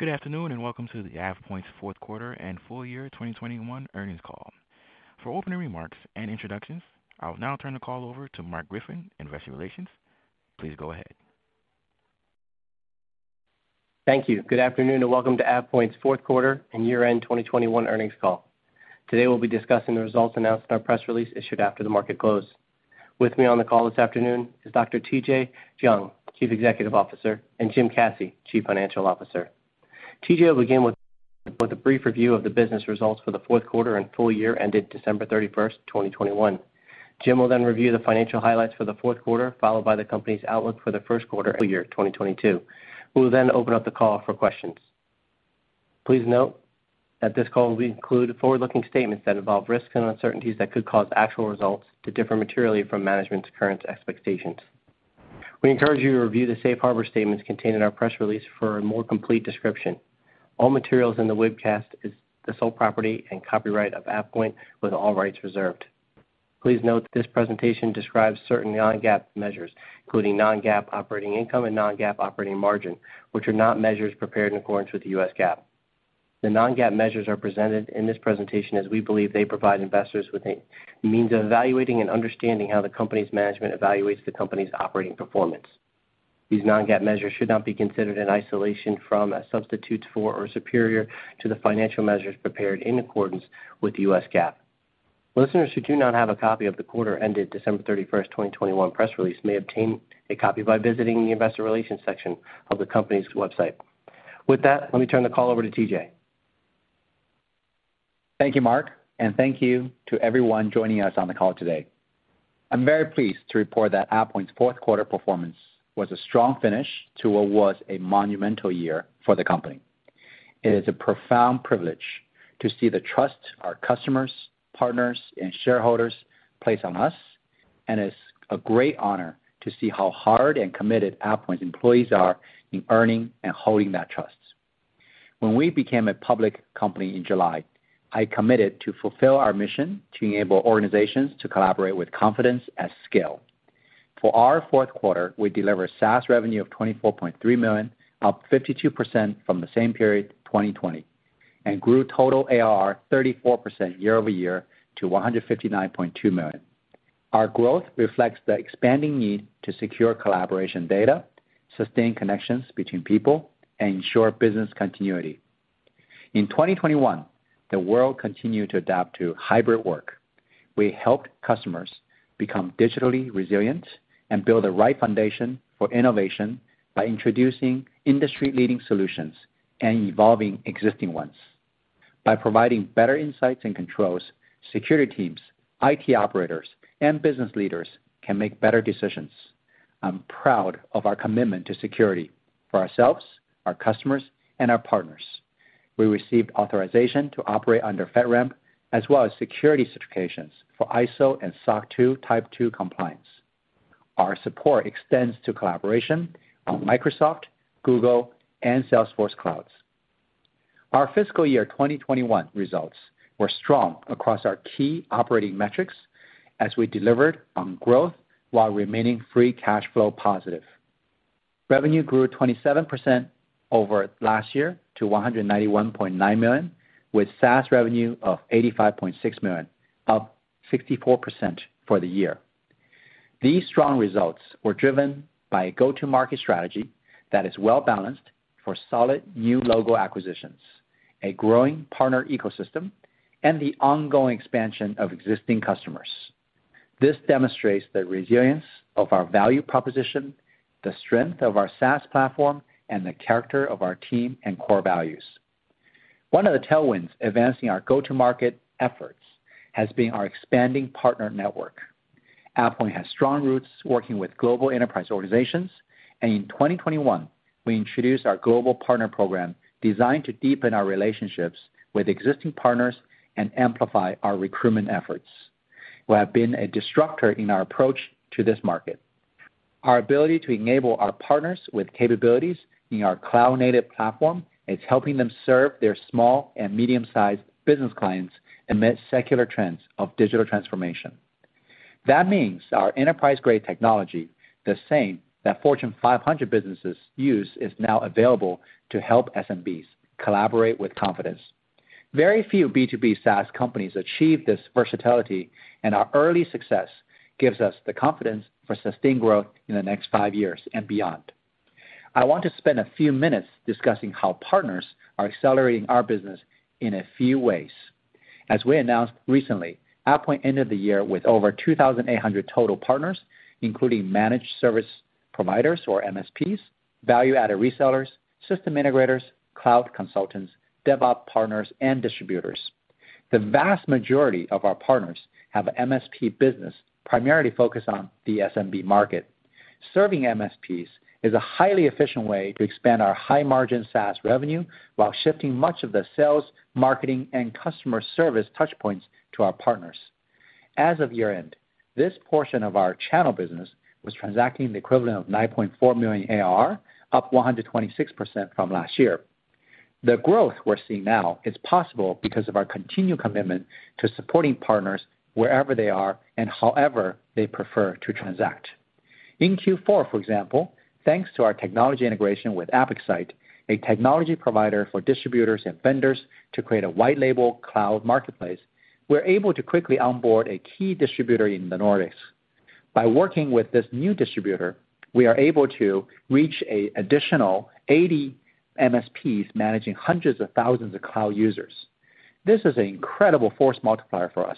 Good afternoon, and welcome to AvePoint's fourth quarter and full year 2021 earnings call. For opening remarks and introductions, I will now turn the call over to Marc Griffin, Investor Relations. Please go ahead. Thank you. Good afternoon, and welcome to AvePoint's fourth quarter and year-end 2021 earnings call. Today, we'll be discussing the results announced in our press release issued after the market close. With me on the call this afternoon is Dr. TJ Jiang, Chief Executive Officer, and Jim Caci, Chief Financial Officer. TJ will begin with a brief review of the business results for the fourth quarter and full year ended December 31st, 2021. Jim will then review the financial highlights for the fourth quarter, followed by the company's outlook for the first quarter and full year 2022. We will then open up the call for questions. Please note that this call will include forward-looking statements that involve risks and uncertainties that could cause actual results to differ materially from management's current expectations. We encourage you to review the safe harbor statements contained in our press release for a more complete description. All materials in the webcast is the sole property and copyright of AvePoint with all rights reserved. Please note this presentation describes certain non-GAAP measures, including non-GAAP operating income and non-GAAP operating margin, which are not measures prepared in accordance with the U.S. GAAP. The non-GAAP measures are presented in this presentation as we believe they provide investors with a means of evaluating and understanding how the company's management evaluates the company's operating performance. These non-GAAP measures should not be considered in isolation from, as substitutes for, or superior to the financial measures prepared in accordance with U.S. GAAP. Listeners who do not have a copy of the quarter ended December 31st, 2021 press release may obtain a copy by visiting the investor relations section of the company's website. With that, let me turn the call over to TJ. Thank you, Marc, and thank you to everyone joining us on the call today. I'm very pleased to report that AvePoint's fourth quarter performance was a strong finish to what was a monumental year for the company. It is a profound privilege to see the trust our customers, partners, and shareholders place on us, and it's a great honor to see how hard and committed AvePoint's employees are in earning and holding that trust. When we became a public company in July, I committed to fulfill our mission to enable organizations to collaborate with confidence at scale. For our fourth quarter, we delivered SaaS revenue of $24.3 million, up 52% from the same period 2020, and grew total ARR 34% year-over-year to $159.2 million. Our growth reflects the expanding need to secure collaboration data, sustain connections between people, and ensure business continuity. In 2021, the world continued to adapt to hybrid work. We helped customers become digitally resilient and build the right foundation for innovation by introducing industry-leading solutions and evolving existing ones. By providing better insights and controls, security teams, IT operators, and business leaders can make better decisions. I'm proud of our commitment to security for ourselves, our customers, and our partners. We received authorization to operate under FedRAMP, as well as security certifications for ISO and SOC 2 Type 2 compliance. Our support extends to collaboration on Microsoft, Google, and Salesforce clouds. Our fiscal year 2021 results were strong across our key operating metrics as we delivered on growth while remaining free cash flow positive. Revenue grew 27% over last year to $191.9 million, with SaaS revenue of $85.6 million, up 64% for the year. These strong results were driven by a go-to-market strategy that is well-balanced for solid new logo acquisitions, a growing partner ecosystem, and the ongoing expansion of existing customers. This demonstrates the resilience of our value proposition, the strength of our SaaS platform, and the character of our team and core values. One of the tailwinds advancing our go-to-market efforts has been our expanding partner network. AvePoint has strong roots working with global enterprise organizations, and in 2021, we introduced our global partner program designed to deepen our relationships with existing partners and amplify our recruitment efforts. We have been a disruptor in our approach to this market. Our ability to enable our partners with capabilities in our cloud-native platform is helping them serve their small and medium-sized business clients amid secular trends of digital transformation. That means our enterprise-grade technology, the same that Fortune 500 businesses use, is now available to help SMBs collaborate with confidence. Very few B2B SaaS companies achieve this versatility, and our early success gives us the confidence for sustained growth in the next five years and beyond. I want to spend a few minutes discussing how partners are accelerating our business in a few ways. As we announced recently, AvePoint ended the year with over 2,800 total partners, including managed service providers or MSPs, value-added resellers, system integrators, cloud consultants, DevOps partners, and distributors. The vast majority of our partners have MSP business primarily focused on the SMB market. Serving MSPs is a highly efficient way to expand our high-margin SaaS revenue while shifting much of the sales, marketing, and customer service touchpoints to our partners. As of year-end, this portion of our channel business was transacting the equivalent of $9.4 million ARR, up 126% from last year. The growth we're seeing now is possible because of our continued commitment to supporting partners wherever they are and however they prefer to transact. In Q4, for example, thanks to our technology integration with AppXite, a technology provider for distributors and vendors to create a white label cloud marketplace, we're able to quickly onboard a key distributor in the Nordics. By working with this new distributor, we are able to reach an additional 80 MSPs managing hundreds of thousands of cloud users. This is an incredible force multiplier for us.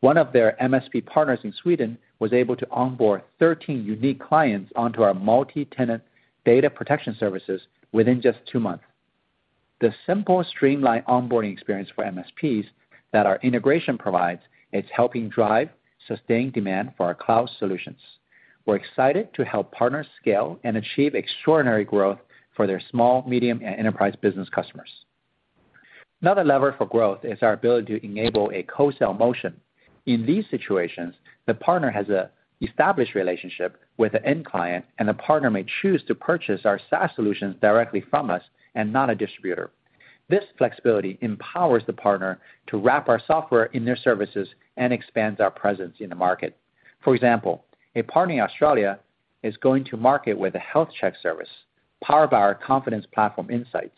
One of their MSP partners in Sweden was able to onboard 13 unique clients onto our multi-tenant data protection services within just two months. The simple streamlined onboarding experience for MSPs that our integration provides is helping drive sustained demand for our cloud solutions. We're excited to help partners scale and achieve extraordinary growth for their small, medium, and enterprise business customers. Another lever for growth is our ability to enable a co-sell motion. In these situations, the partner has an established relationship with the end client, and the partner may choose to purchase our SaaS solutions directly from us and not a distributor. This flexibility empowers the partner to wrap our software in their services and expands our presence in the market. For example, a partner in Australia is going to market with a health check service powered by our Confidence Platform insights.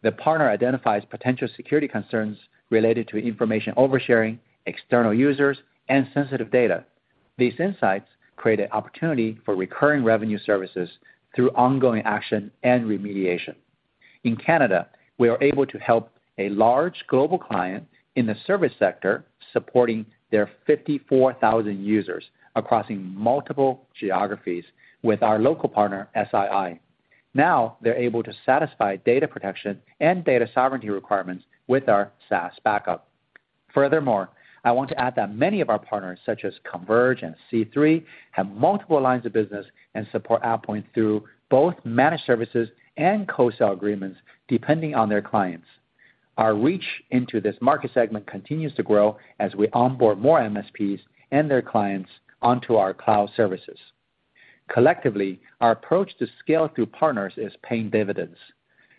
The partner identifies potential security concerns related to information over-sharing, external users, and sensitive data. These insights create an opportunity for recurring revenue services through ongoing action and remediation. In Canada, we are able to help a large global client in the service sector supporting their 54,000 users across multiple geographies with our local partner, SII. Now they're able to satisfy data protection and data sovereignty requirements with our SaaS backup. Furthermore, I want to add that many of our partners, such as Converge and C3, have multiple lines of business and support AvePoint through both managed services and co-sell agreements, depending on their clients. Our reach into this market segment continues to grow as we onboard more MSPs and their clients onto our cloud services. Collectively, our approach to scale through partners is paying dividends.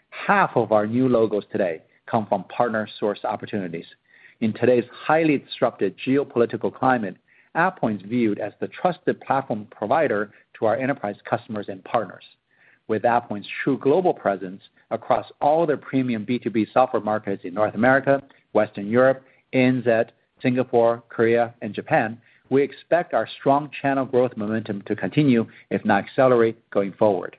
Half of our new logos today come from partner-sourced opportunities. In today's highly disrupted geopolitical climate, AvePoint's viewed as the trusted platform provider to our enterprise customers and partners. With AvePoint's true global presence across all their premium B2B software markets in North America, Western Europe, ANZ, Singapore, Korea, and Japan, we expect our strong channel growth momentum to continue, if not accelerate, going forward.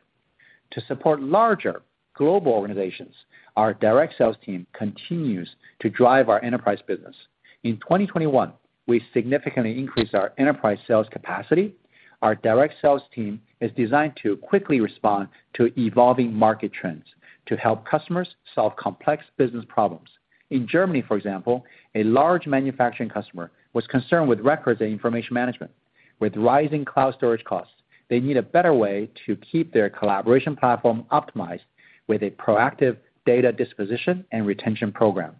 To support larger global organizations, our direct sales team continues to drive our enterprise business. In 2021, we significantly increased our enterprise sales capacity. Our direct sales team is designed to quickly respond to evolving market trends to help customers solve complex business problems. In Germany, for example, a large manufacturing customer was concerned with records and information management. With rising cloud storage costs, they need a better way to keep their collaboration platform optimized with a proactive data disposition and retention program.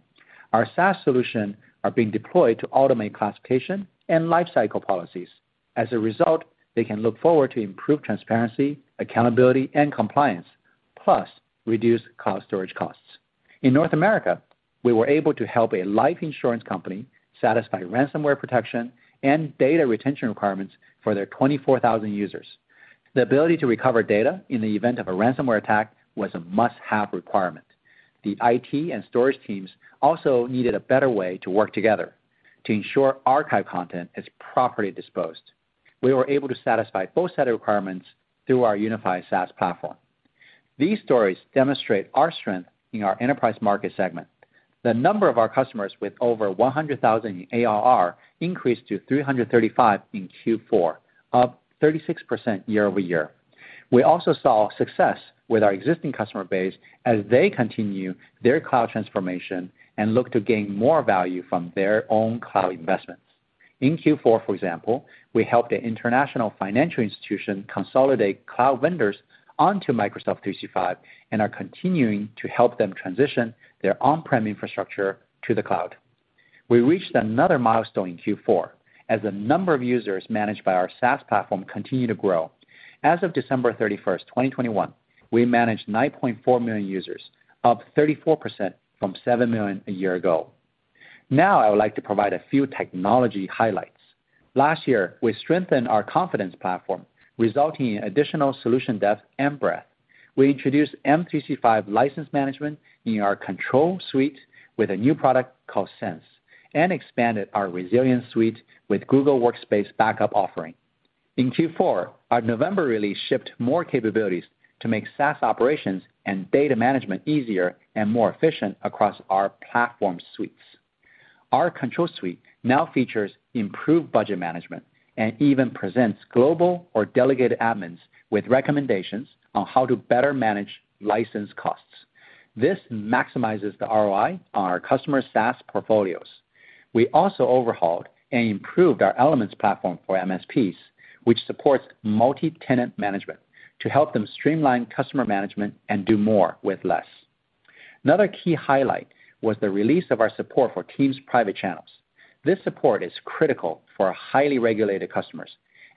Our SaaS solution are being deployed to automate classification and lifecycle policies. As a result, they can look forward to improved transparency, accountability, and compliance, plus reduced cloud storage costs. In North America, we were able to help a life insurance company satisfy ransomware protection and data retention requirements for their 24,000 users. The ability to recover data in the event of a ransomware attack was a must-have requirement. The IT and storage teams also needed a better way to work together to ensure archive content is properly disposed. We were able to satisfy both set of requirements through our unified SaaS platform. These stories demonstrate our strength in our enterprise market segment. The number of our customers with over 100,000 in ARR increased to 335 in Q4, up 36% year-over-year. We also saw success with our existing customer base as they continue their cloud transformation and look to gain more value from their own cloud investments. In Q4, for example, we helped an international financial institution consolidate cloud vendors onto Microsoft 365 and are continuing to help them transition their on-prem infrastructure to the cloud. We reached another milestone in Q4 as the number of users managed by our SaaS platform continues to grow. As of December 31st, 2021, we managed 9.4 million users, up 34% from 7 million a year ago. Now I would like to provide a few technology highlights. Last year, we strengthened our Confidence Platform, resulting in additional solution depth and breadth. We introduced M365 license management in our Control Suite with a new product called Cense and expanded our Resilience Suite with Google Workspace backup offering. In Q4, our November release shipped more capabilities to make SaaS operations and data management easier and more efficient across our platform suites. Our Control Suite now features improved budget management and even presents global or delegated admins with recommendations on how to better manage license costs. This maximizes the ROI on our customer SaaS portfolios. We also overhauled and improved our Elements platform for MSPs, which supports multi-tenant management to help them streamline customer management and do more with less. Another key highlight was the release of our support for Teams private channels. This support is critical for our highly regulated customers.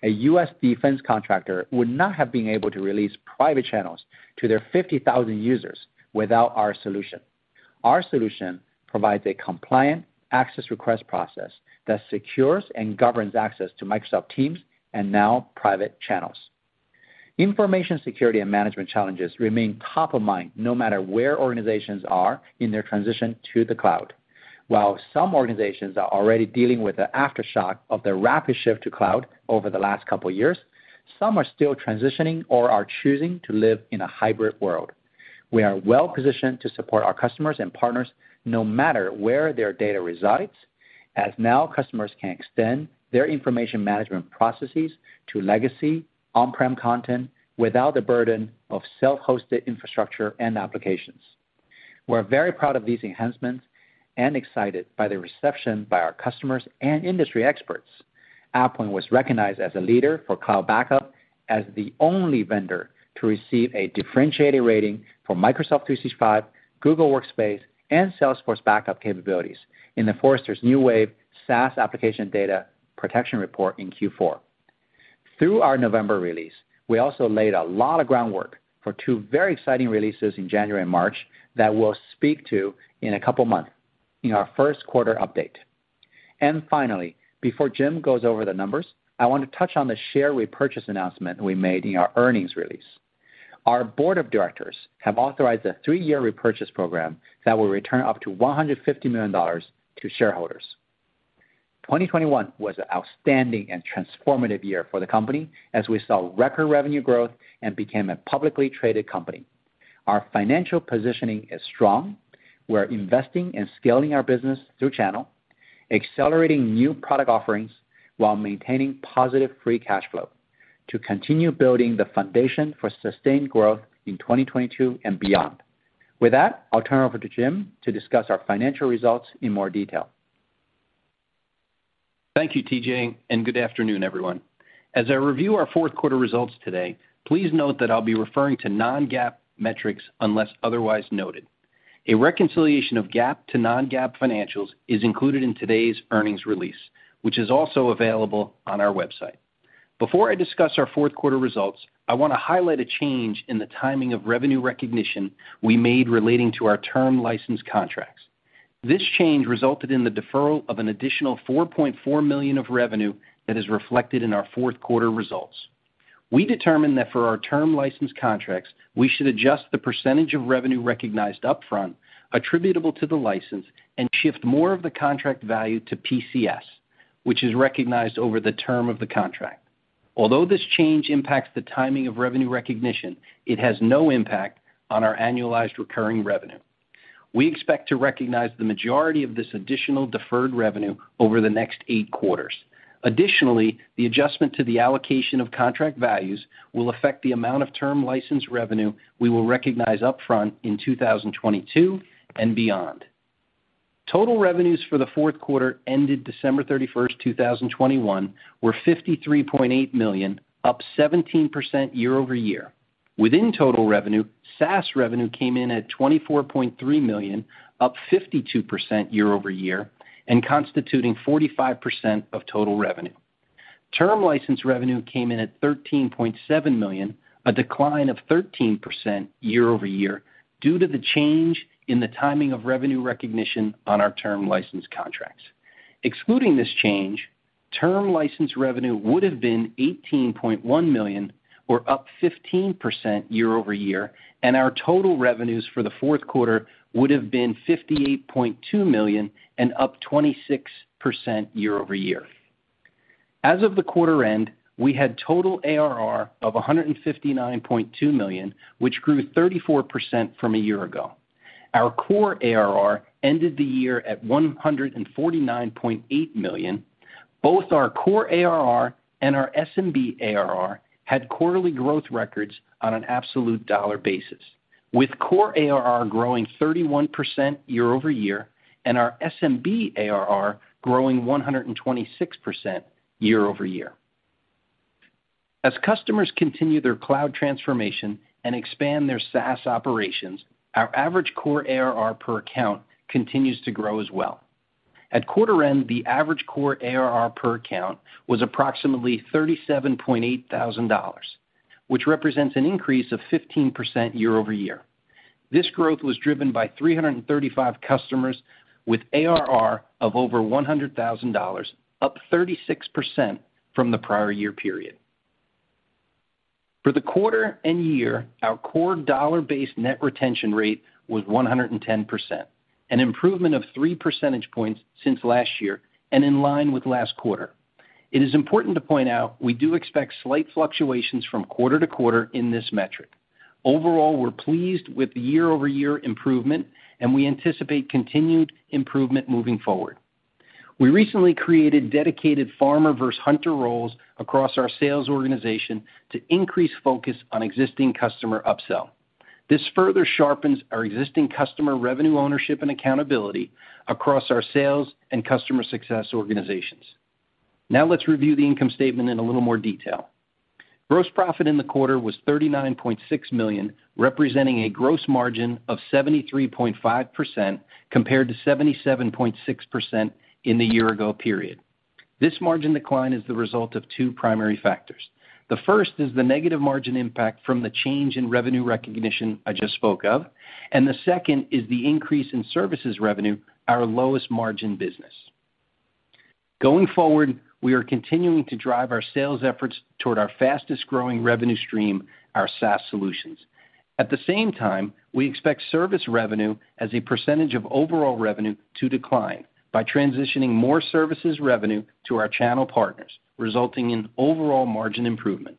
A U.S. defense contractor would not have been able to release private channels to their 50,000 users without our solution. Our solution provides a compliant access request process that secures and governs access to Microsoft Teams and now private channels. Information security and management challenges remain top of mind no matter where organizations are in their transition to the cloud. While some organizations are already dealing with the aftershock of the rapid shift to cloud over the last couple years, some are still transitioning or are choosing to live in a hybrid world. We are well-positioned to support our customers and partners no matter where their data resides, as now customers can extend their information management processes to legacy on-prem content without the burden of self-hosted infrastructure and applications. We're very proud of these enhancements and excited by the reception by our customers and industry experts. AvePoint was recognized as a leader for cloud backup as the only vendor to receive a differentiated rating for Microsoft 365, Google Workspace, and Salesforce backup capabilities in the Forrester's New Wave SaaS Application Data Protection Report in Q4. Through our November release, we also laid a lot of groundwork for two very exciting releases in January and March that we'll speak to in a couple of months in our first quarter update. Finally, before Jim goes over the numbers, I want to touch on the share repurchase announcement we made in our earnings release. Our board of directors have authorized a three-year repurchase program that will return up to $150 million to shareholders. 2021 was an outstanding and transformative year for the company as we saw record revenue growth and became a publicly traded company. Our financial positioning is strong. We're investing in scaling our business through channel, accelerating new product offerings while maintaining positive free cash flow to continue building the foundation for sustained growth in 2022 and beyond. With that, I'll turn over to Jim to discuss our financial results in more detail. Thank you, TJ, and good afternoon, everyone. As I review our fourth quarter results today, please note that I'll be referring to non-GAAP metrics unless otherwise noted. A reconciliation of GAAP to non-GAAP financials is included in today's earnings release, which is also available on our website. Before I discuss our fourth quarter results, I want to highlight a change in the timing of revenue recognition we made relating to our term license contracts. This change resulted in the deferral of an additional $4.4 million of revenue that is reflected in our fourth quarter results. We determined that for our term license contracts, we should adjust the percentage of revenue recognized upfront attributable to the license and shift more of the contract value to PCS, which is recognized over the term of the contract. Although this change impacts the timing of revenue recognition, it has no impact on our annualized recurring revenue. We expect to recognize the majority of this additional deferred revenue over the next eight quarters. Additionally, the adjustment to the allocation of contract values will affect the amount of Term License revenue we will recognize upfront in 2022 and beyond. Total revenues for the fourth quarter ended December 31st, 2021, were $53.8 million, up 17% year-over-year. Within total revenue, SaaS revenue came in at $24.3 million, up 52% year-over-year, and constituting 45% of total revenue. Term License revenue came in at $13.7 million, a decline of 13% year-over-year due to the change in the timing of revenue recognition on our Term License contracts. Excluding this change, term license revenue would have been $18.1 million or up 15% year-over-year, and our total revenues for the fourth quarter would have been $58.2 million and up 26% year-over-year. As of the quarter end, we had total ARR of $159.2 million, which grew 34% from a year ago. Our core ARR ended the year at $149.8 million. Both our core ARR and our SMB ARR had quarterly growth records on an absolute dollar basis, with core ARR growing 31% year-over-year and our SMB ARR growing 126% year-over-year. As customers continue their cloud transformation and expand their SaaS operations, our average core ARR per account continues to grow as well. At quarter end, the average core ARR per account was approximately $37.8 thousand, which represents an increase of 15% year-over-year. This growth was driven by 335 customers with ARR of over $100,000, up 36% from the prior year period. For the quarter and year, our core dollar-based net retention rate was 110%, an improvement of three percentage points since last year and in line with last quarter. It is important to point out we do expect slight fluctuations from quarter to quarter in this metric. Overall, we're pleased with the year-over-year improvement, and we anticipate continued improvement moving forward. We recently created dedicated Farmer versus Hunter roles across our sales organization to increase focus on existing customer upsell. This further sharpens our existing customer revenue ownership and accountability across our sales and customer success organizations. Now let's review the income statement in a little more detail. Gross profit in the quarter was $39.6 million, representing a gross margin of 73.5% compared to 77.6% in the year ago period. This margin decline is the result of two primary factors. The first is the negative margin impact from the change in revenue recognition I just spoke of, and the second is the increase in services revenue, our lowest margin business. Going forward, we are continuing to drive our sales efforts toward our fastest-growing revenue stream, our SaaS solutions. At the same time, we expect service revenue as a percentage of overall revenue to decline by transitioning more services revenue to our channel partners, resulting in overall margin improvement.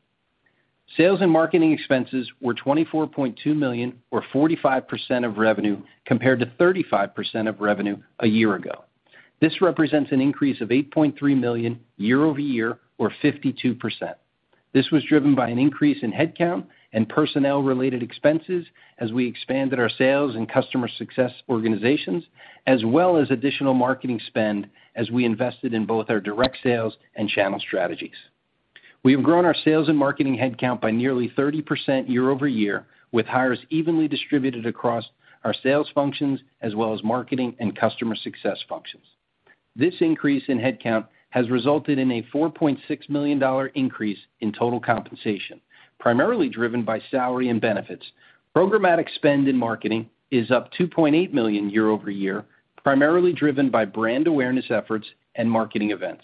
Sales and marketing expenses were $24.2 million, or 45% of revenue, compared to 35% of revenue a year ago. This represents an increase of $8.3 million year-over-year, or 52%. This was driven by an increase in headcount and personnel-related expenses as we expanded our sales and customer success organizations as well as additional marketing spend as we invested in both our direct sales and channel strategies. We have grown our sales and marketing headcount by nearly 30% year-over-year, with hires evenly distributed across our sales functions as well as marketing and customer success functions. This increase in headcount has resulted in a $4.6 million increase in total compensation, primarily driven by salary and benefits. Programmatic spend in marketing is up $2.8 million year-over-year, primarily driven by brand awareness efforts and marketing events.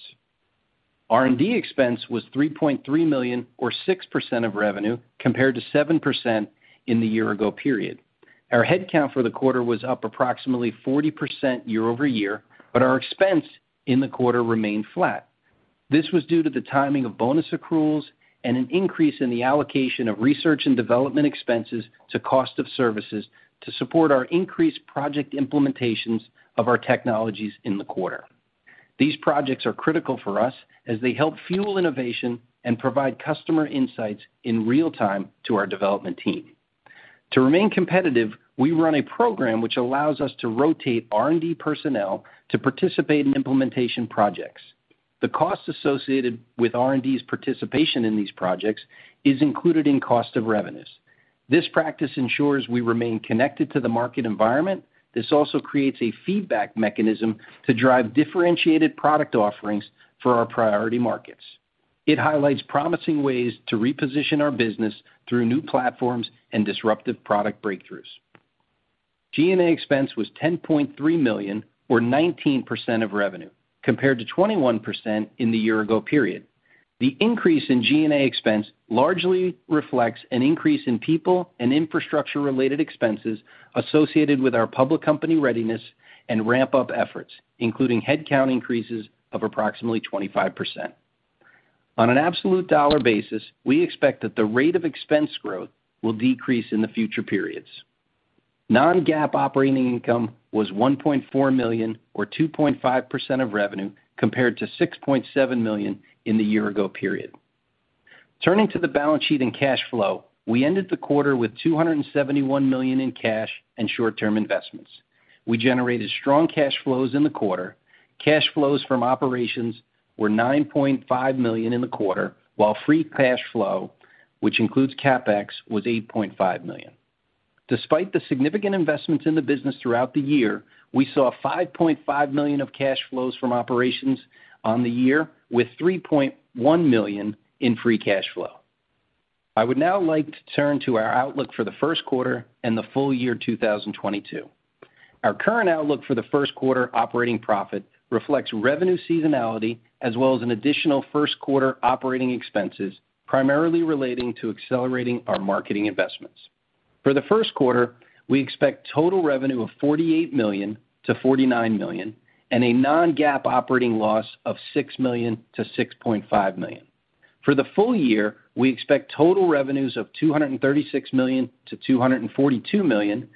R&D expense was $3.3 million, or 6% of revenue, compared to 7% in the year-ago period. Our headcount for the quarter was up approximately 40% year-over-year, but our expense in the quarter remained flat. This was due to the timing of bonus accruals and an increase in the allocation of research and development expenses to cost of services to support our increased project implementations of our technologies in the quarter. These projects are critical for us as they help fuel innovation and provide customer insights in real time to our development team. To remain competitive, we run a program which allows us to rotate R&D personnel to participate in implementation projects. The cost associated with R&D's participation in these projects is included in cost of revenues. This practice ensures we remain connected to the market environment. This also creates a feedback mechanism to drive differentiated product offerings for our priority markets. It highlights promising ways to reposition our business through new platforms and disruptive product breakthroughs. G&A expense was $10.3 million, or 19% of revenue, compared to 21% in the year ago period. The increase in G&A expense largely reflects an increase in people and infrastructure-related expenses associated with our public company readiness and ramp-up efforts, including headcount increases of approximately 25%. On an absolute dollar basis, we expect that the rate of expense growth will decrease in the future periods. Non-GAAP operating income was $1.4 million or 2.5% of revenue, compared to $6.7 million in the year ago period. Turning to the balance sheet and cash flow, we ended the quarter with $271 million in cash and short-term investments. We generated strong cash flows in the quarter. Cash flows from operations were $9.5 million in the quarter, while free cash flow, which includes CapEx, was $8.5 million. Despite the significant investments in the business throughout the year, we saw $5.5 million of cash flows from operations on the year, with $3.1 million in free cash flow. I would now like to turn to our outlook for the first quarter and the full year 2022. Our current outlook for the first quarter operating profit reflects revenue seasonality as well as an additional first quarter operating expenses, primarily relating to accelerating our marketing investments. For the first quarter, we expect total revenue of $48 million-$49 million and a non-GAAP operating loss of $6 million-$6.5 million. For the full year, we expect total revenues of $236 million-$242 million.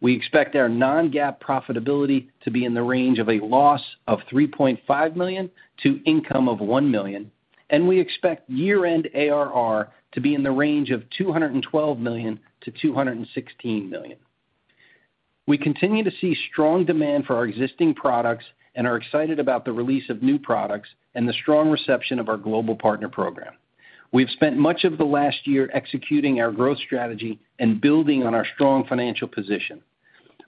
We expect our non-GAAP profitability to be in the range of a loss of $3.5 million to income of $1 million, and we expect year-end ARR to be in the range of $212 million-$216 million. We continue to see strong demand for our existing products and are excited about the release of new products and the strong reception of our global partner program. We've spent much of the last year executing our growth strategy and building on our strong financial position.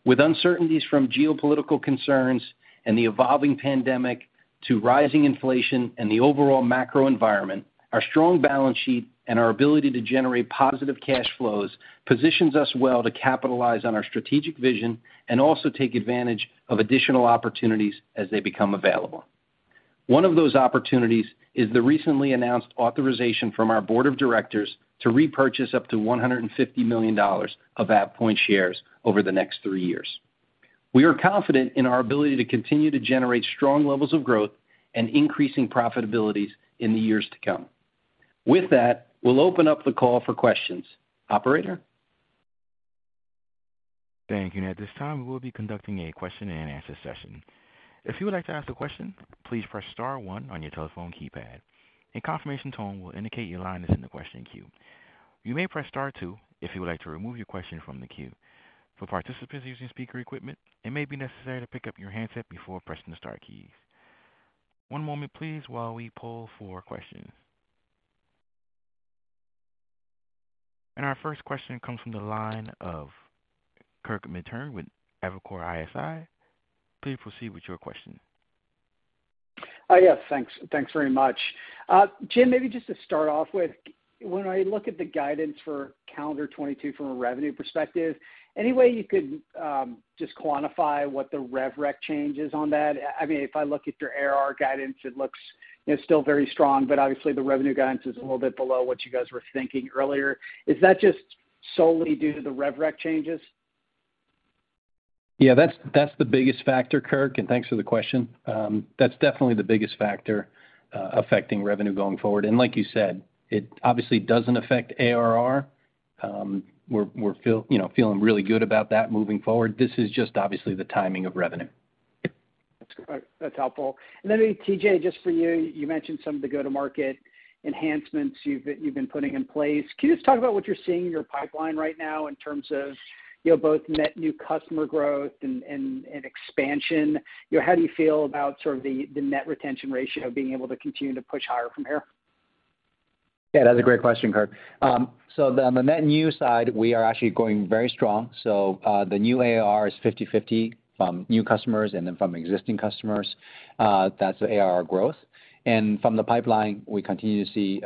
With uncertainties from geopolitical concerns and the evolving pandemic to rising inflation and the overall macro environment, our strong balance sheet and our ability to generate positive cash flows positions us well to capitalize on our strategic vision and also take advantage of additional opportunities as they become available. One of those opportunities is the recently announced authorization from our board of directors to repurchase up to $150 million of AvePoint shares over the next three years. We are confident in our ability to continue to generate strong levels of growth and increasing profitabilities in the years to come. With that, we'll open up the call for questions. Operator? Thank you. At this time, we'll be conducting a question and answer session. If you would like to ask a question, please press star one on your telephone keypad. A confirmation tone will indicate your line is in the question queue. You may press star two if you would like to remove your question from the queue. For participants using speaker equipment, it may be necessary to pick up your handset before pressing the star keys. One moment please while we poll for questions. Our first question comes from the line of Kirk Materne with Evercore ISI. Please proceed with your question. Yes, thanks. Thanks very much. Jim, maybe just to start off with, when I look at the guidance for calendar 2022 from a revenue perspective, any way you could just quantify what the Rev Rec change is on that? I mean, if I look at your ARR guidance, it looks, you know, still very strong, but obviously the revenue guidance is a little bit below what you guys were thinking earlier. Is that just solely due to the Rev Rec changes? Yeah, that's the biggest factor, Kirk, and thanks for the question. That's definitely the biggest factor affecting revenue going forward. Like you said, it obviously doesn't affect ARR. We're, you know, feeling really good about that moving forward. This is just obviously the timing of revenue. That's great. That's helpful. Maybe TJ, just for you mentioned some of the go-to-market enhancements you've been putting in place. Can you just talk about what you're seeing in your pipeline right now in terms of, you know, both net new customer growth and expansion? You know, how do you feel about sort of the net retention ratio being able to continue to push higher from here? Yeah, that's a great question, Kirk. On the net new side, we are actually growing very strong. The new ARR is 50/50 from new customers and then from existing customers, that's the ARR growth. From the pipeline, we continue to see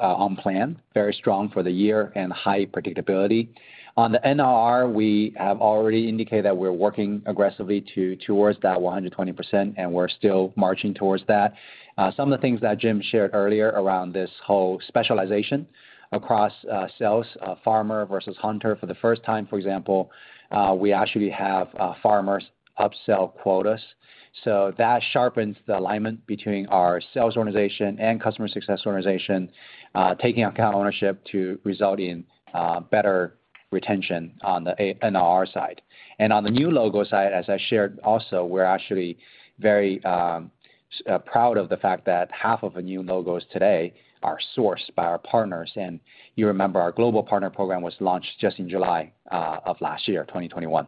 on plan, very strong for the year and high predictability. On the NRR, we have already indicated that we're working aggressively towards that 120%, and we're still marching towards that. Some of the things that Jim shared earlier around this whole specialization across sales, Farmer versus Hunter. For the first time, for example, we actually have Farmers upsell quotas. That sharpens the alignment between our sales organization and customer success organization, taking account ownership to result in better retention on the NRR side. On the new logo side, as I shared also, we're actually very proud of the fact that half of the new logos today are sourced by our partners. You remember our global partner program was launched just in July of last year, 2021.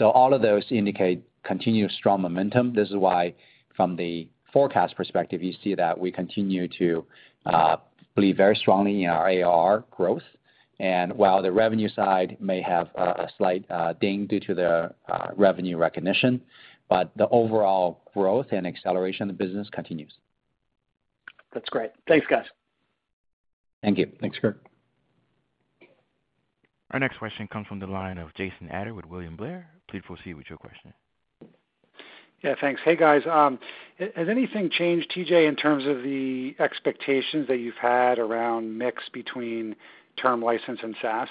All of those indicate continued strong momentum. This is why from the forecast perspective, you see that we continue to believe very strongly in our ARR growth. While the revenue side may have a slight ding due to the revenue recognition, the overall growth and acceleration of the business continues. That's great. Thanks, guys. Thank you. Thanks, Kirk. Our next question comes from the line of Jason Ader with William Blair. Please proceed with your question. Yeah, thanks. Hey, guys. Has anything changed, TJ, in terms of the expectations that you've had around mix between Term License and SaaS?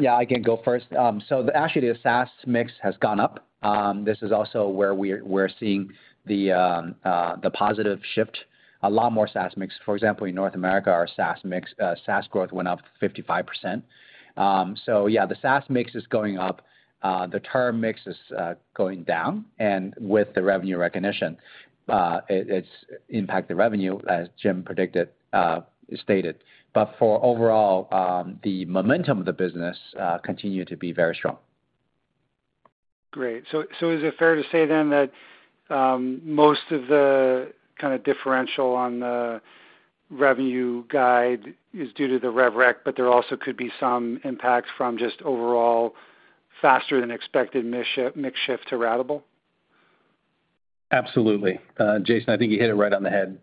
Yeah, I can go first. Actually, the SaaS mix has gone up. This is also where we're seeing the positive shift, a lot more SaaS mix. For example, in North America, our SaaS mix, SaaS growth went up 55%. The SaaS mix is going up. The term mix is going down. With the revenue recognition, it's impacted revenue as Jim predicted, stated. For overall, the momentum of the business continue to be very strong. Great. Is it fair to say that most of the kinda differential on the revenue guide is due to the Rev Rec, but there also could be some impact from just overall faster than expected mix shift to ratable? Absolutely. Jason, I think you hit it right on the head.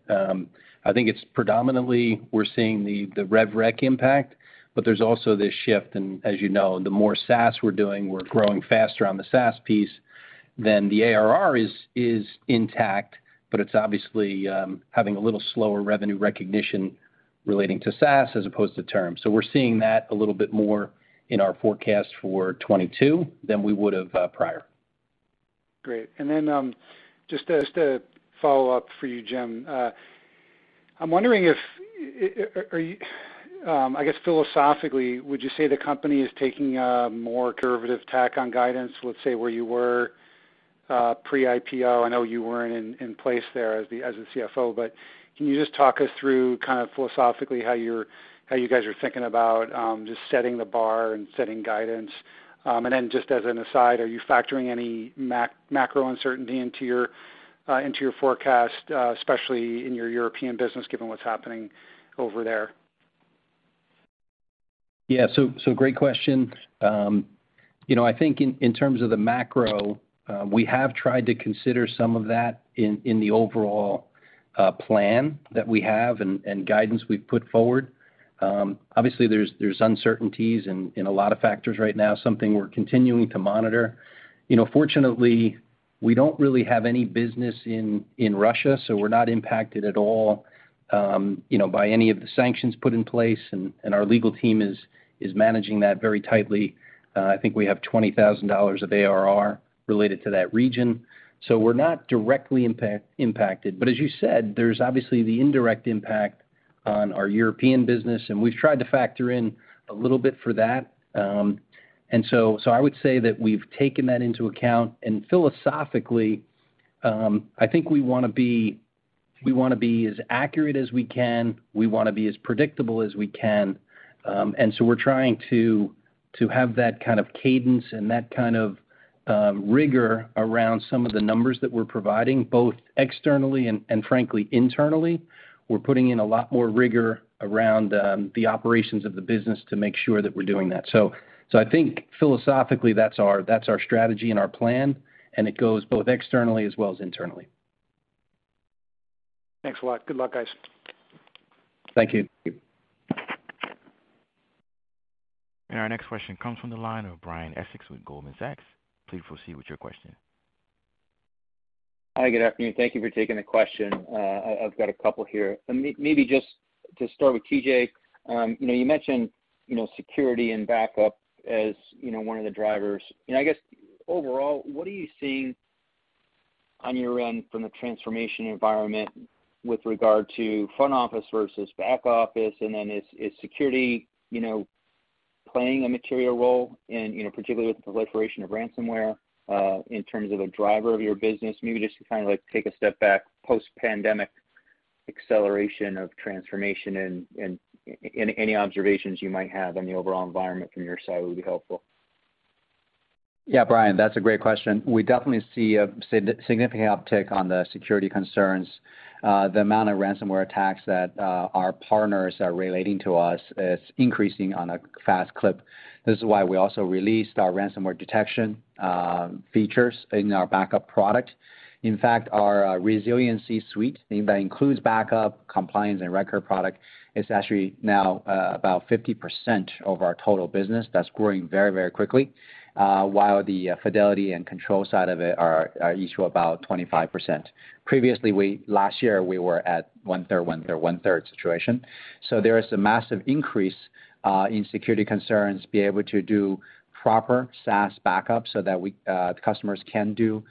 I think it's predominantly we're seeing the Rev Rec impact, but there's also this shift, and as you know, the more SaaS we're doing, we're growing faster on the SaaS piece than the ARR is intact, but it's obviously having a little slower revenue recognition relating to SaaS as opposed to term. We're seeing that a little bit more in our forecast for 2022 than we would've prior. Great. Just to follow up for you, Jim, I'm wondering, I guess philosophically, would you say the company is taking a more conservative tack on guidance, let's say where you were pre-IPO? I know you weren't in place there as the CFO. Can you just talk us through kind of philosophically how you guys are thinking about just setting the bar and setting guidance? Just as an aside, are you factoring any macro uncertainty into your forecast, especially in your European business, given what's happening over there? Great question. You know, I think in terms of the macro, we have tried to consider some of that in the overall plan that we have and guidance we've put forward. Obviously there's uncertainties and a lot of factors right now, something we're continuing to monitor. You know, fortunately, we don't really have any business in Russia, so we're not impacted at all, you know, by any of the sanctions put in place. Our legal team is managing that very tightly. I think we have $20,000 of ARR related to that region, so we're not directly impacted. As you said, there's obviously the indirect impact on our European business, and we've tried to factor in a little bit for that. I would say that we've taken that into account. Philosophically, I think we wanna be as accurate as we can. We wanna be as predictable as we can. We're trying to have that kind of cadence and that kind of rigor around some of the numbers that we're providing, both externally and frankly, internally, we're putting in a lot more rigor around the operations of the business to make sure that we're doing that. I think philosophically, that's our strategy and our plan, and it goes both externally as well as internally. Thanks a lot. Good luck, guys. Thank you. Our next question comes from the line of Brian Essex with Goldman Sachs. Please proceed with your question. Hi, good afternoon. Thank you for taking the question. I've got a couple here. Maybe just to start with TJ, you know, you mentioned, you know, security and backup as, you know, one of the drivers. You know, I guess overall, what are you seeing on your end from the transformation environment with regard to front office versus back office? And then is security, you know, playing a material role in, you know, particularly with the proliferation of ransomware, in terms of a driver of your business? Maybe just to kind of like take a step back post-pandemic acceleration of transformation and any observations you might have on the overall environment from your side would be helpful. Yeah, Brian, that's a great question. We definitely see a significant uptick on the security concerns. The amount of ransomware attacks that our partners are relaying to us is increasing on a fast clip. This is why we also released our Ransomware Detection features in our backup product. In fact, our Resilience Suite, and that includes backup, compliance, and recovery product, is actually now about 50% of our total business. That's growing very, very quickly. While the Fidelity and Control side of it are each about 25%. Previously, last year, we were at 1/3, 1/3, 1/3 situation. There is a massive increase in security concerns, be able to do proper SaaS backup so that we, the customers can do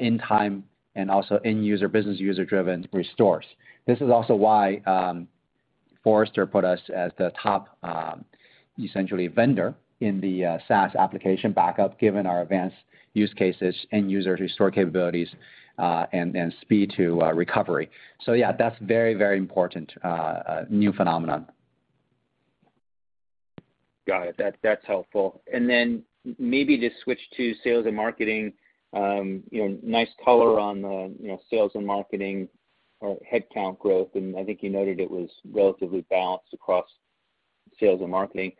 in-time and also end user, business user-driven restores. This is also why Forrester put us as the top essentially vendor in the SaaS application backup, given our advanced use cases, end user restore capabilities, and speed to recovery. Yeah, that's very, very important new phenomenon. Got it. That's helpful. Then maybe just switch to sales and marketing. You know, nice color on the, you know, sales and marketing or headcount growth, and I think you noted it was relatively balanced across sales and marketing.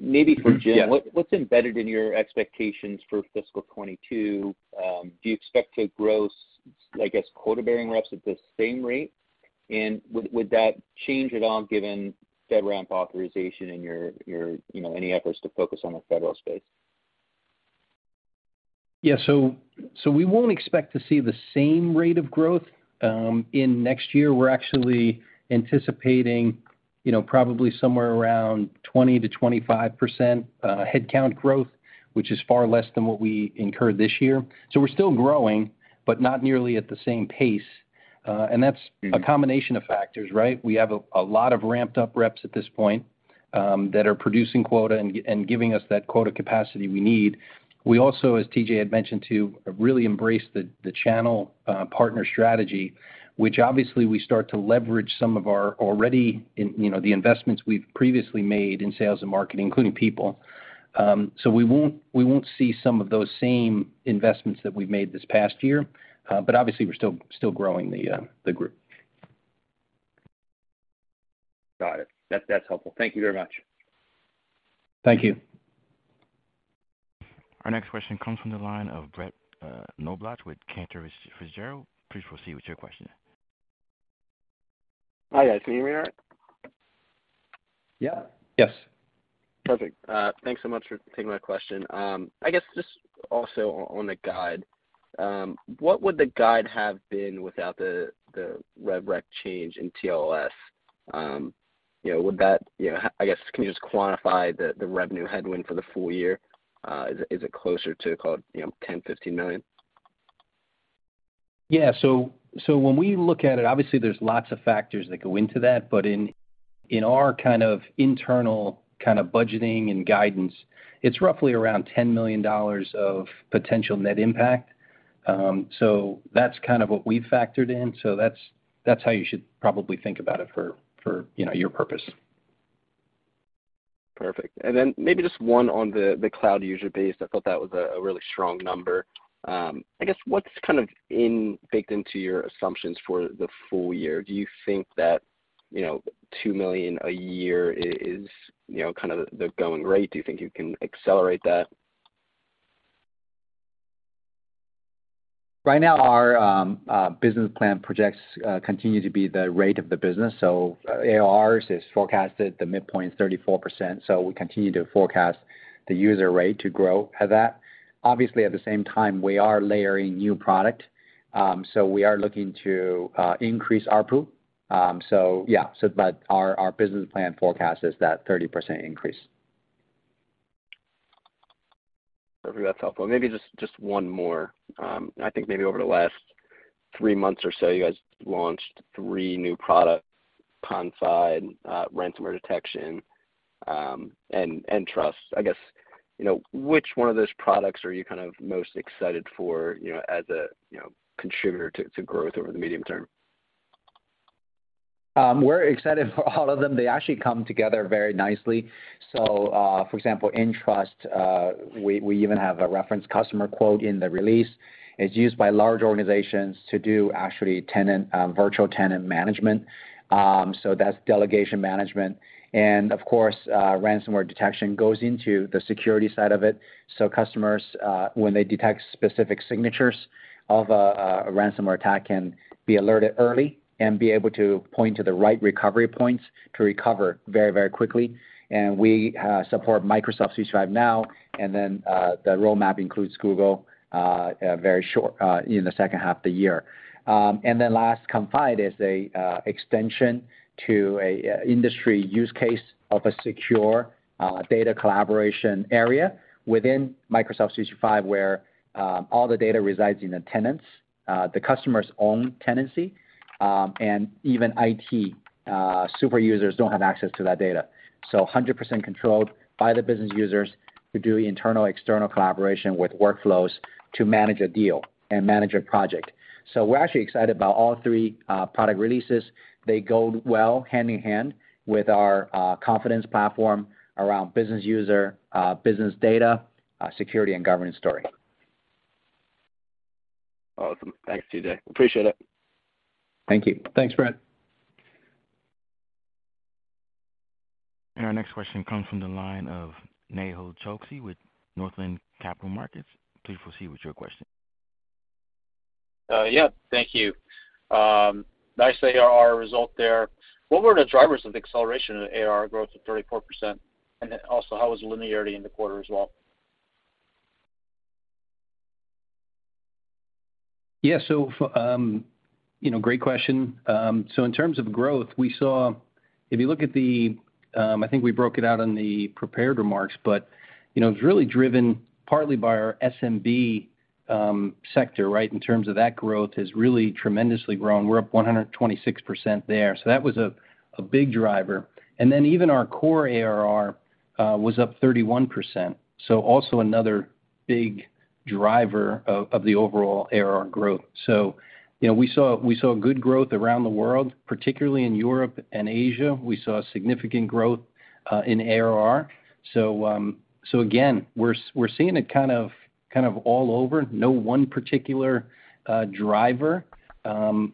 Maybe for Jim- Yeah. What's embedded in your expectations for fiscal 2022? Do you expect to gross, I guess, quota-bearing reps at the same rate? Would that change at all given FedRAMP authorization in your, you know, any efforts to focus on the federal space? Yeah. We won't expect to see the same rate of growth in next year. We're actually anticipating, you know, probably somewhere around 20%-25% headcount growth, which is far less than what we incurred this year. We're still growing, but not nearly at the same pace. That's a combination of factors, right? We have a lot of ramped up reps at this point that are producing quota and giving us that quota capacity we need. We also, as TJ had mentioned too, have really embraced the channel partner strategy, which obviously we start to leverage some of our already in, you know, the investments we've previously made in sales and marketing, including people. We won't see some of those same investments that we've made this past year, but obviously we're still growing the group. Got it. That, that's helpful. Thank you very much. Thank you. Our next question comes from the line of Brett Knoblauch with Cantor Fitzgerald. Please proceed with your question. Hi, guys. Can you hear me? Yeah. Yes. Perfect. Thanks so much for taking my question. I guess just also on the guide, what would the guide have been without the rev rec change in TLS? You know, would that, you know, I guess can you just quantify the revenue headwind for the full year? Is it closer to call it, you know, $10-$15 million? When we look at it, obviously there's lots of factors that go into that. In our kind of internal kind of budgeting and guidance, it's roughly around $10 million of potential net impact. That's kind of what we've factored in. That's how you should probably think about it for, you know, your purpose. Perfect. Then maybe just one on the cloud user base. I thought that was a really strong number. I guess what's kind of baked into your assumptions for the full year? Do you think that, you know, 2 million a year is, you know, kind of the going rate? Do you think you can accelerate that? Right now, our business plan projections continue to be the rate of the business. ARR is forecasted, the midpoint is 34%, so we continue to forecast the growth rate to grow at that. Obviously, at the same time, we are layering new product, so we are looking to increase ARPU. Yeah. Our business plan forecast is that 30% increase. Perfect. That's helpful. Maybe just one more. I think maybe over the last three months or so, you guys launched three new products, Confide, Ransomware Detection, and Entrust. I guess, you know, which one of those products are you kind of most excited for, you know, as a, you know, contributor to growth over the medium term? We're excited for all of them. They actually come together very nicely. For example, Entrust, we even have a reference customer quote in the release. It's used by large organizations to do actually virtual tenant management. That's delegation management. Of course, Ransomware Detection goes into the security side of it. Customers, when they detect specific signatures of a ransomware attack can be alerted early and be able to point to the right recovery points to recover very, very quickly. We support Microsoft 365 now, and then the roadmap includes Google very shortly in the second half of the year. And the last, Confide is an extension to an industry use case of a secure data collaboration area within Microsoft 365, where all the data resides in the tenants, the customer's own tenancy. Even IT super users don't have access to that data. 100% controlled by the business users who do internal, external collaboration with workflows to manage a deal and manage a project. We're actually excited about all three product releases. They go well hand in hand with our Confidence Platform around business user, business data, security and governance story. Awesome. Thanks, TJ. Appreciate it. Thank you. Thanks, Brett. Our next question comes from the line of Nehal Chokshi with Northland Capital Markets. Please proceed with your question. Yeah. Thank you. Nice ARR result there. What were the drivers of acceleration in ARR growth of 34%? Then also how was linearity in the quarter as well? Yeah. You know, great question. In terms of growth, we saw if you look at the I think we broke it out on the prepared remarks, but you know, it's really driven partly by our SMB sector, right? In terms of that growth has really tremendously grown. We're up 126% there. That was a big driver. Even our core ARR was up 31%, so also another big driver of the overall ARR growth. You know, we saw good growth around the world, particularly in Europe and Asia. We saw significant growth in ARR. We're seeing it kind of all over. No one particular driver.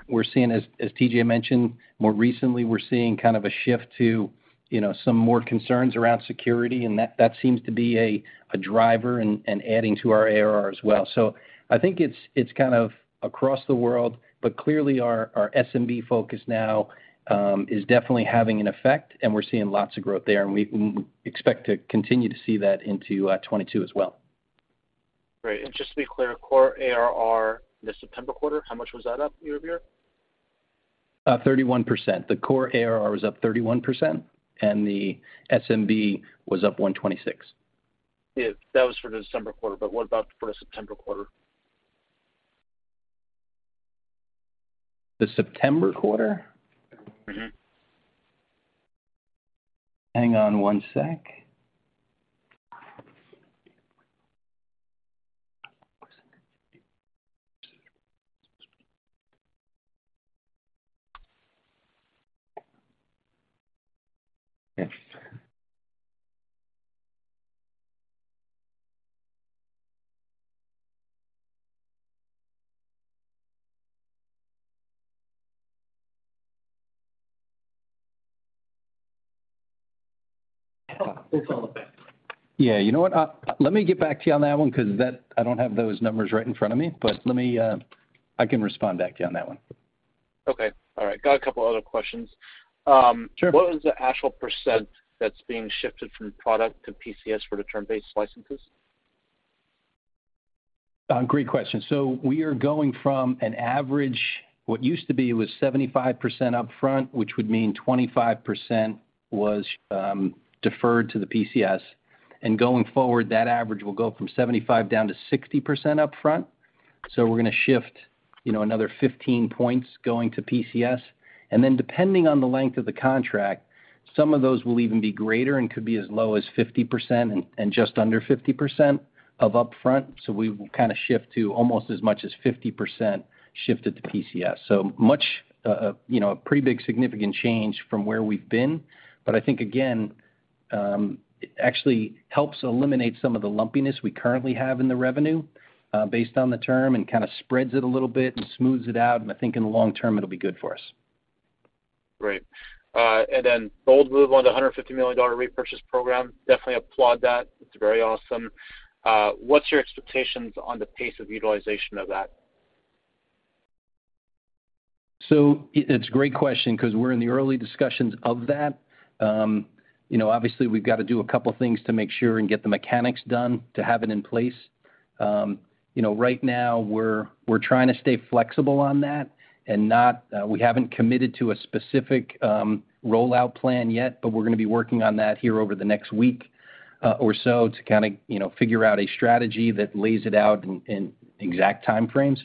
We're seeing, as TJ mentioned, more recently we're seeing kind of a shift to, you know, some more concerns around security, and that seems to be a driver and adding to our ARR as well. I think it's kind of across the world, but clearly our SMB focus now is definitely having an effect, and we're seeing lots of growth there, and we expect to continue to see that into 2022 as well. Great. Just to be clear, core ARR in the September quarter, how much was that up year-over-year? 31%. The core ARR was up 31%, and the SMB was up 126%. Yeah. That was for the December quarter, but what about for the September quarter? The September quarter? Mm-hmm. Hang on one sec. It's all okay. Yeah. You know what? Let me get back to you on that one 'cause I don't have those numbers right in front of me, but I can respond back to you on that one. Okay. All right. Got a couple other questions. Sure. What was the actual percent that's being shifted from product to PCS for the term-based licenses? Great question. We are going from an average, what used to be was 75% upfront, which would mean 25% was deferred to the PCS. Going forward, that average will go from 75% down to 60% upfront. We're gonna shift, you know, another 15 points going to PCS. Then depending on the length of the contract, some of those will even be greater and could be as low as 50% and just under 50% of upfront. We will kinda shift to almost as much as 50% shifted to PCS. Much, you know, a pretty big significant change from where we've been. I think again, it actually helps eliminate some of the lumpiness we currently have in the revenue based on the term and kinda spreads it a little bit and smooths it out, and I think in the long term it'll be good for us. Great. Bold move on the $150 million repurchase program. Definitely applaud that. It's very awesome. What's your expectations on the pace of utilization of that? It's a great question 'cause we're in the early discussions of that. You know, obviously we've gotta do a couple things to make sure and get the mechanics done to have it in place. You know, right now we're trying to stay flexible on that and we haven't committed to a specific rollout plan yet, but we're gonna be working on that here over the next week or so to kinda figure out a strategy that lays it out in exact time frames.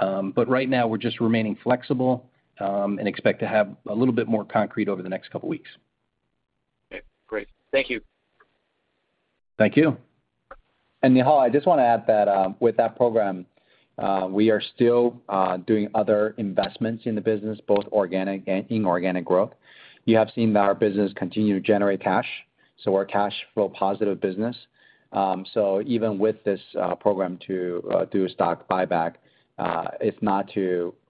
Right now we're just remaining flexible and expect to have a little bit more concrete over the next couple weeks. Okay. Great. Thank you. Thank you. Nihal, I just wanna add that with that program, we are still doing other investments in the business, both organic and inorganic growth. You have seen that our business continue to generate cash, so we're a cash flow positive business. Even with this program to do a stock buyback,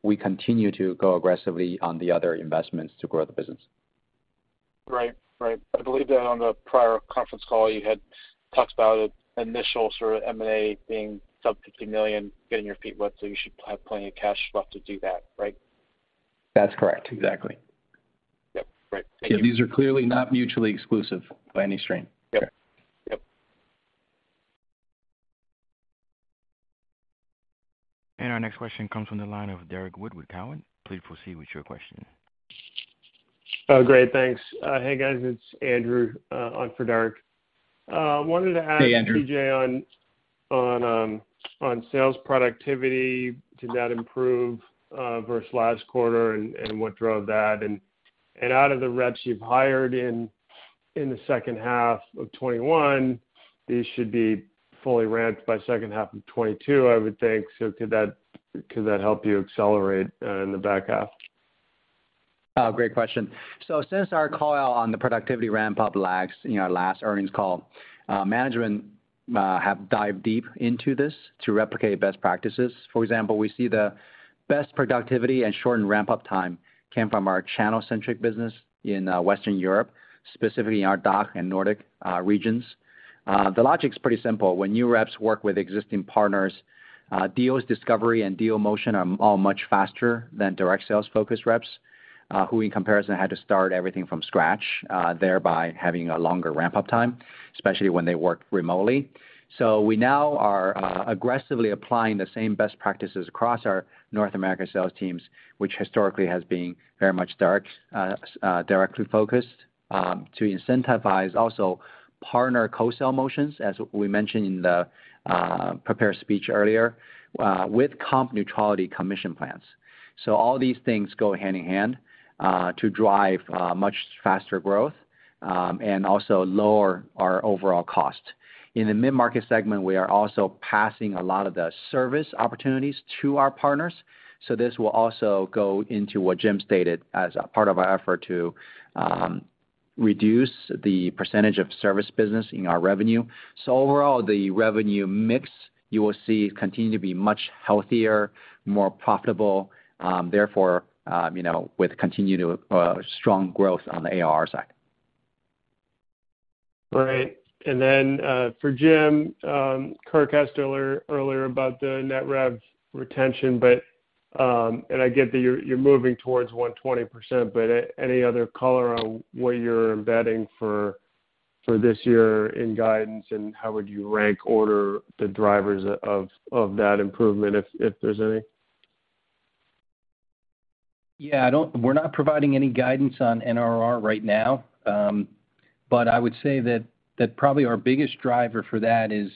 we continue to go aggressively on the other investments to grow the business. Right. Right. I believe that on the prior conference call you had talked about initial sort of M&A being sub-$50 million, getting your feet wet, so you should have plenty of cash left to do that, right? That's correct. Exactly. Yep, right. Thank you. Yeah, these are clearly not mutually exclusive by any stretch. Yep. Yep. Our next question comes from the line of Derrick Wood with Cowen. Please proceed with your question. Oh, great, thanks. Hey, guys, it's Andrew on for Derrick. Wanted to ask- Hey, Andrew. ...TJ on sales productivity. Did that improve versus last quarter, and what drove that? Out of the reps you've hired in the second half of 2021, these should be fully ramped by second half of 2022, I would think. Could that help you accelerate in the back half? Great question. Since our call out on the productivity ramp-up lags in our last earnings call, management have dived deep into this to replicate best practices. For example, we see the best productivity and shortened ramp-up time came from our channel-centric business in Western Europe, specifically in our DACH and Nordic regions. The logic's pretty simple. When new reps work with existing partners, deals discovery and deal motion are much faster than direct sales-focused reps who in comparison had to start everything from scratch, thereby having a longer ramp-up time, especially when they work remotely. We now are aggressively applying the same best practices across our North America sales teams, which historically has been very much direct, directly focused, to incentivize also partner co-sell motions, as we mentioned in the prepared speech earlier, with comp neutrality commission plans. All these things go hand in hand to drive much faster growth and also lower our overall cost. In the mid-market segment, we are also passing a lot of the service opportunities to our partners, so this will also go into what Jim stated as a part of our effort to reduce the percentage of service business in our revenue. Overall, the revenue mix, you will see continue to be much healthier, more profitable, therefore, you know, with continued strong growth on the ARR side. Right. For Jim, Kirk asked earlier about the net rev retention, but and I get that you're moving towards 120%, but any other color on what you're embedding for this year in guidance, and how would you rank order the drivers of that improvement if there's any? We're not providing any guidance on NRR right now. I would say that probably our biggest driver for that is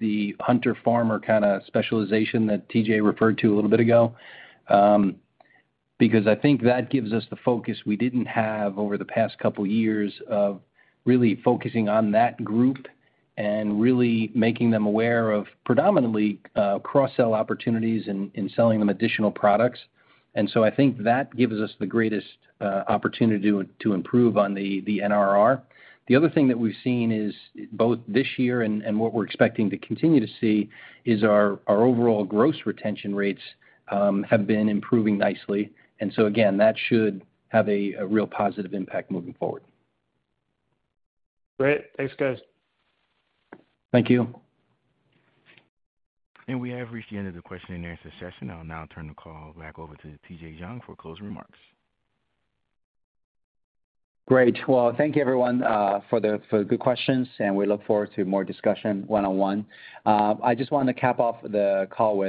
the Hunter-Farmer kinda specialization that TJ referred to a little bit ago, because I think that gives us the focus we didn't have over the past couple years of really focusing on that group and really making them aware of predominantly, cross-sell opportunities in selling them additional products. I think that gives us the greatest opportunity to improve on the NRR. The other thing that we've seen is, both this year and what we're expecting to continue to see, is our overall gross retention rates have been improving nicely. Again, that should have a real positive impact moving forward. Great. Thanks, guys. Thank you. We have reached the end of the question and answer session. I'll now turn the call back over to TJ Jiang for closing remarks. Great. Well, thank you everyone for the good questions, and we look forward to more discussion one-on-one. I just want to cap off the call.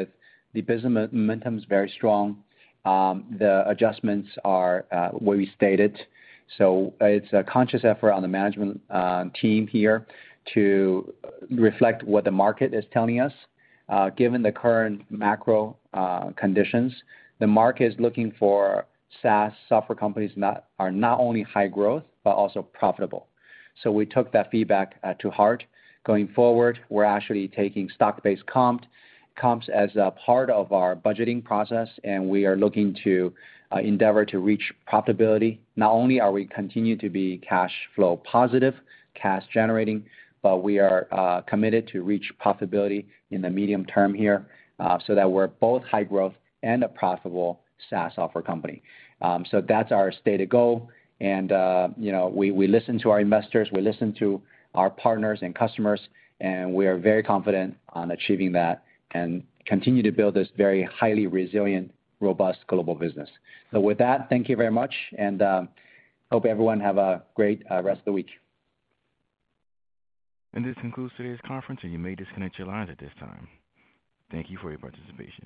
The business momentum is very strong. The adjustments are where we stated. It's a conscious effort on the management team here to reflect what the market is telling us. Given the current macro conditions, the market is looking for SaaS software companies that are not only high growth but also profitable. We took that feedback to heart. Going forward, we're actually taking stock-based comps as a part of our budgeting process, and we are looking to endeavor to reach profitability. Not only are we continue to be cash flow positive, cash generating, but we are committed to reach profitability in the medium term here, so that we're both high growth and a profitable SaaS software company. That's our stated goal. You know, we listen to our investors, we listen to our partners and customers, and we are very confident on achieving that and continue to build this very highly resilient, robust global business. With that, thank you very much, and hope everyone have a great rest of the week. This concludes today's conference, and you may disconnect your lines at this time. Thank you for your participation.